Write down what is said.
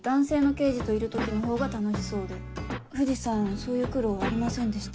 そういう苦労ありませんでした？